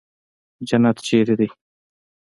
جنت چېرته دى.